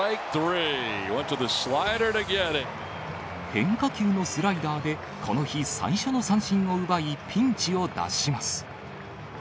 変化球のスライダーで、この日、最初の三振を奪い、ピンチを脱します。